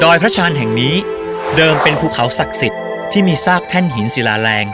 พระชาญแห่งนี้เดิมเป็นภูเขาศักดิ์สิทธิ์ที่มีซากแท่นหินศิลาแรง